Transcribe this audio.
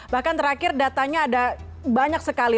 bahkan terakhir datanya ada banyak sekali